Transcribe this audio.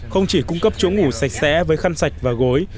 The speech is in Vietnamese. không chỉ cung cấp chỗ ngủ sạch sẽ với khăn sạch và gối